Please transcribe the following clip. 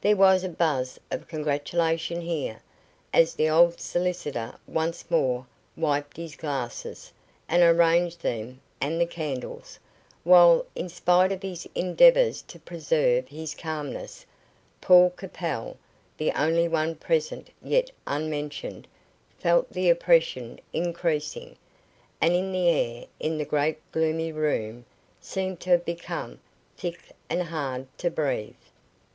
There was a buzz of congratulation here, as the old solicitor once more wiped his glasses and arranged them and the candles, while, in spite of his endeavours to preserve his calmness, Paul Capel, the only one present yet unmentioned, felt the oppression increasing, and the air in the great gloomy room seemed to have become thick and hard to breathe.